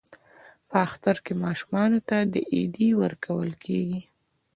په اختر کې ماشومانو ته ایډي ورکول کیږي.